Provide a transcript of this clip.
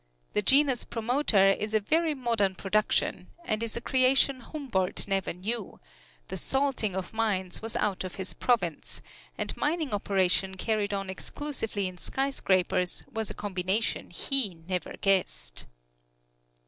The genus promoter is a very modern production, and is a creation Humboldt never knew; the "salting" of mines was out of his province, and mining operations carried on exclusively in sky scrapers was a combination he never guessed.